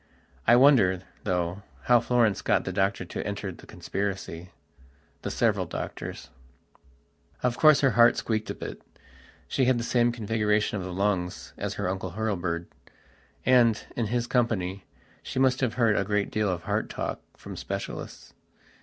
I wonder, though, how Florence got the doctor to enter the conspiracythe several doctors. Of course her heart squeaked a bitshe had the same configuration of the lungs as her Uncle Hurlbird. And, in his company, she must have heard a great deal of heart talk from specialists.